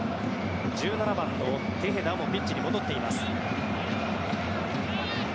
１７番のテヘダもピッチに戻っています。